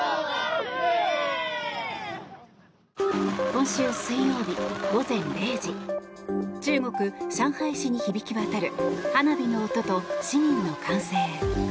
今週水曜日午前０時中国・上海市に響き渡る花火の音と市民の歓声。